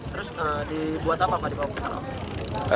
terus dibuat apa